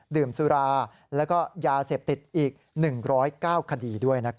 ดื่มสุราแล้วก็ยาเสพติดอีก๑๐๙คดีด้วย